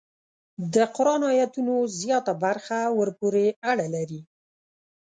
د قران ایتونو زیاته برخه ورپورې اړه لري.